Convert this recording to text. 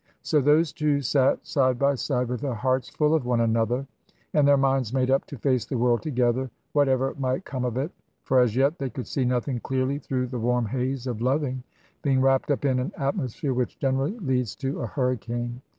So those two sate side by side, with their hearts full of one another, and their minds made up to face the world together, whatever might come of it. For as yet they could see nothing clearly through the warm haze of loving, being wrapped up in an atmosphere which generally leads to a hurricane.